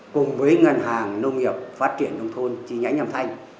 cùng với ngân hàng nông nghiệp phát triển nông thôn chỉ nhánh hàm thanh